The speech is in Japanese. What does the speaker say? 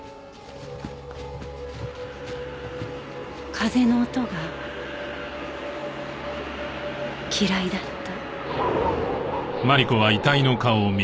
風の音が嫌いだった。